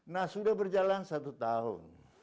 nah sudah berjalan satu tahun